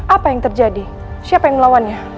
apa yang terjadi siapa yang melawannya